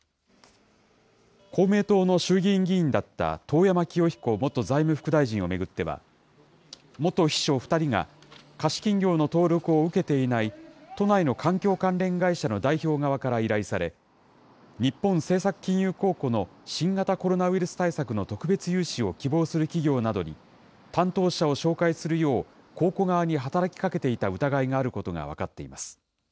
公明党の衆議院議員だった遠山清彦元財務副大臣を巡っては、元秘書２人が、貸金業の登録を受けていない都内の環境関連会社の代表側から依頼され、日本政策金融公庫の新型コロナウイルス対策の特別融資を希望する企業などに、担当者を紹介するよう、公庫側に働きかけていた疑いがあることが分かっています。